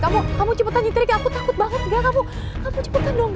kamu cepetan nyiterik ya aku takut banget enggak kamu cepetan dong